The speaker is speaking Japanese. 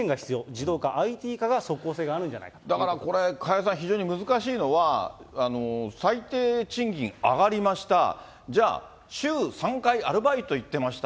自動化、ＩＴ化が即効性があるんだからこれ、加谷さん、非常に難しいのは、最低賃金上がりました、じゃあ、週３回アルバイト行ってました。